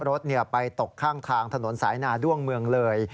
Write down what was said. รถไปตกข้างทางถนนสายนาด้วงเมืองเลย